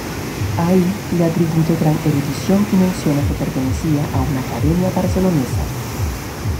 Ahí le atribuye gran erudición y menciona que pertenecía a una academia barcelonesa.